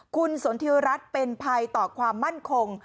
คุณสนทิวรัฐเป็นภัยต่อความมั่นคง